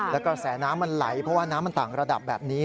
แล้วก็แสน้ำมันไหลเพราะว่าน้ำมันต่างระดับแบบนี้